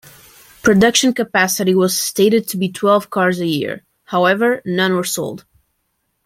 Production capacity was stated to be twelve cars a year however, none were sold.